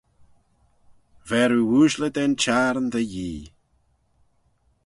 Ver oo ooashley da'n çhiarn dty Yee.